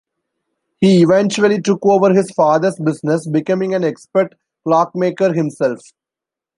He eventually took over his father's business, becoming an expert clockmaker himself.